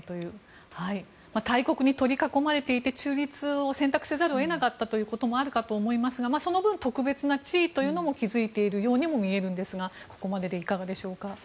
大国に取り囲まれていて中立を選択せざるを得なかったということもあるかと思いますがその分、特別な地位を築いているという面も見えるんですがここまででいかがでしょうか。